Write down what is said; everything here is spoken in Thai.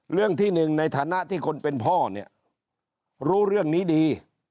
เรื่องที่หนึ่งในฐานะที่คนเป็นพ่อเนี่ยรู้เรื่องนี้ดี